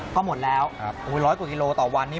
ก็หมดแล้วร้อยกว่ากิโลต่อวันนี้